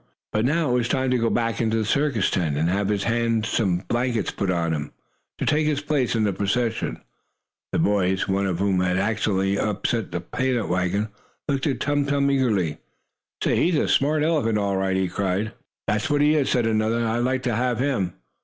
But now it was time to go back into the circus tent, and have his handsome blanket put on, to take his place in the procession. The boys, one of whom had accidentally upset the peanut wagon, looked at Tum Tum eagerly. "Say, he's a smart elephant all right!" he cried. "That's what he is!" said another. "I'd like to have him!"